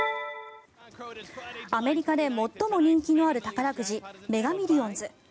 アメリカで最も人気がある宝くじメガ・ミリオンズ。